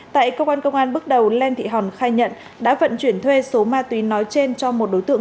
tại công an công an bước đầu len thị hòn khai nhận đã vận chuyển thuê số ma túy nói trên cho một đối tượng